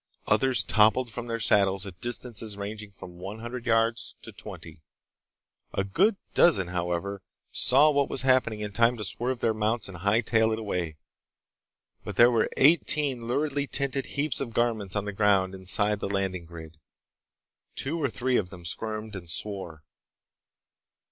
Others toppled from their saddles at distances ranging from one hundred yards to twenty. A good dozen, however, saw what was happening in time to swerve their mounts and hightail it away. But there were eighteen luridly tinted heaps of garments on the ground inside the landing grid. Two or three of them squirmed and swore.